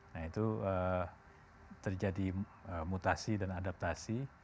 nah itu terjadi mutasi dan adaptasi